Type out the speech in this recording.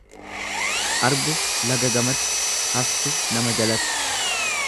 Argu laga gamatti, haftu nama jalatti.